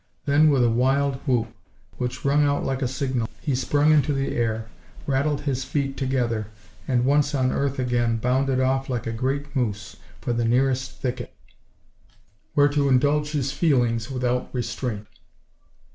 Then, with a wild whoop, which rung out like a signal, he sprung into air, rattled his feet together, and once on earth again, bounded off like a great moose, for the nearest thicket, where to indulge his "feelings" without restraint.